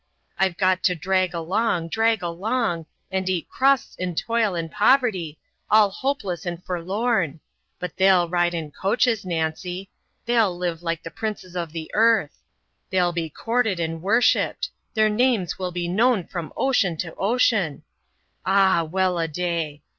We've got to drag along, drag along, and eat crusts in toil and poverty, all hopeless and forlorn but they'll ride in coaches, Nancy! They'll live like the princes of the earth; they'll be courted and worshiped; their names will be known from ocean to ocean! Ah, well a day!